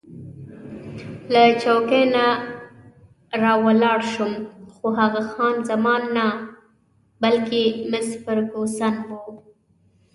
له چوکۍ نه راولاړ شوم، خو هغه خان زمان نه، بلکې مس فرګوسن وه.